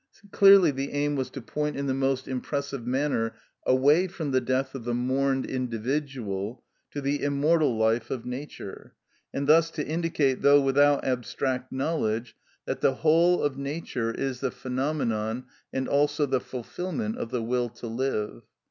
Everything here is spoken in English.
Clearly the aim was to point in the most impressive manner away from the death of the mourned individual to the immortal life of nature, and thus to indicate, though without abstract knowledge, that the whole of nature is the phenomenon and also the fulfilment of the will to live.